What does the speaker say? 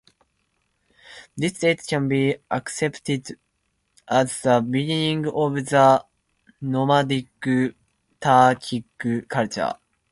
This date can be accepted as the beginning of the nomadic Turkic culture.